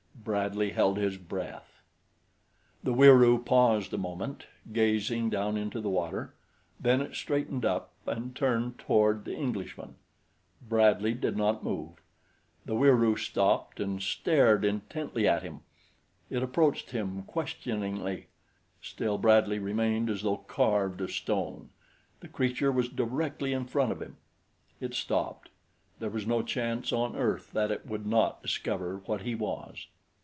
Bradley held his breath. The Wieroo paused a moment, gazing down into the water, then it straightened up and turned toward the Englishman. Bradley did not move. The Wieroo stopped and stared intently at him. It approached him questioningly. Still Bradley remained as though carved of stone. The creature was directly in front of him. It stopped. There was no chance on earth that it would not discover what he was.